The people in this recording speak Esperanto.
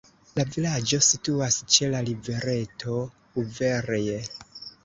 La vilaĝo situas ĉe la rivereto "Uverj".